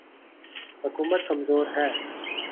حکومت کمزور ہے۔